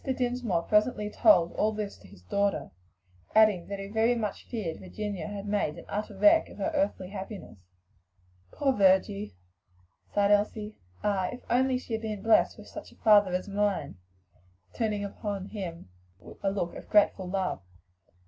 Dinsmore presently told all this to his daughter, adding that he very much feared Virginia had made an utter wreck of her earthly happiness. "Poor Virgie!" sighed Elsie. "Ah! if only she had been blest with such a father as mine!" turning upon him a look of grateful love.